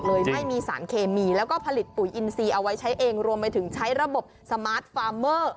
เอาไว้ใช้เองรวมไปถึงใช้ระบบสมาร์ทฟาร์เมอร์